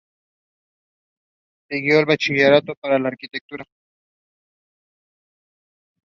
Siguió el Bachillerato para Arquitectura.